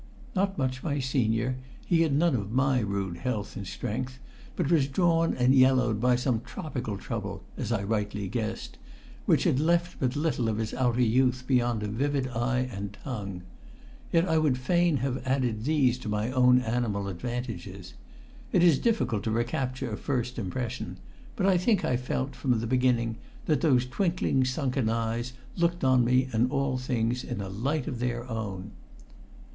Not much my senior, he had none of my rude health and strength, but was drawn and yellowed by some tropical trouble (as I rightly guessed) which had left but little of his outer youth beyond a vivid eye and tongue. Yet I would fain have added these to my own animal advantages. It is difficult to recapture a first impression; but I think I felt, from the beginning, that those twinkling, sunken eyes looked on me and all things in a light of their own.